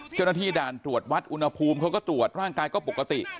เจ้าหน้าที่ด่านตรวจวัดอุณหภูมิเขาก็ตรวจร่างกายก็ปกติ